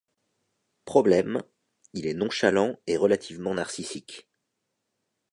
Problème: il est nonchalant et relativement narcissique.